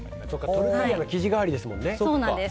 トルティーヤの生地代わりですもんね。